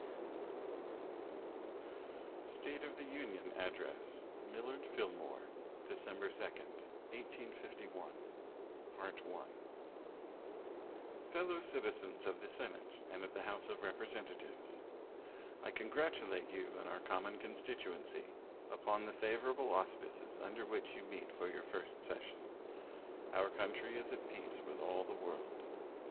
State of the Union Address Millard Fillmore December 2, 1851 Fellow Citizens of the Senate and of the House of Representatives: I congratulate you and our common constituency upon the favorable auspices under which you meet for your first session. Our country is at peace with all the world.